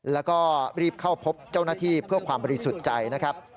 แล้วก็รีบเข้าพบเจ้าหน้าที่เพื่อความบริสุทธิ์ใจนะครับ